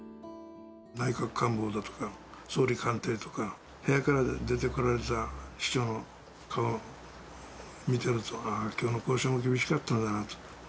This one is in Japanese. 内閣官房とか、総理官邸とか、部屋から出てこられた市長の顔、見てると、きょうの交渉も厳しかったんだなと。